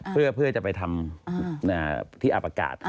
เพื่อจะไปทำที่อาประกาศ